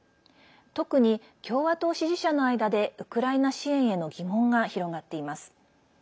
特に共和党支持者の間でウクライナ支援への疑問が広がっています。